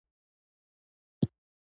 انګرېزانو ملاتړ هم تر لاسه کړي.